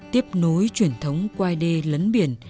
tiếp nối truyền thống quai đê lấn biển